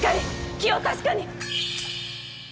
気を確かに！